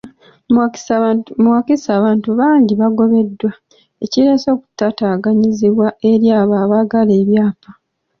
Mu Wakiso abantu bangi bagobeddwa, ekireese okutaataaganyizibwa eri abo abaagala ebyapa.